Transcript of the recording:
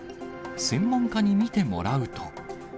専門家に見てもらうと。